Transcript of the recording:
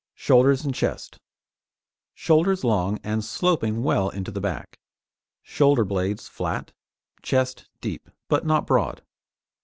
SHOULDERS AND CHEST Shoulders long and sloping well into the back, shoulder blades flat, chest deep, but not broad.